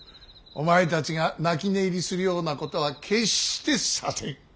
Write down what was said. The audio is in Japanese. お前たちが泣き寝入りするようなことは決してさせん。